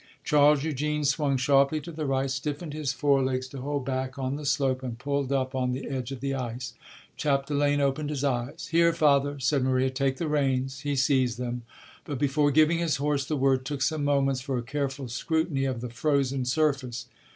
Charles Eugene swung sharply to the right, stiffened his forelegs to hold back on the slope and pulled up on the edge of the ice. Chapdelaine opened his eyes. "Here, father," said Maria, "take the reins!" He seized them, but before giving his horse the word, took some moments for a careful scrutiny of the frozen surface.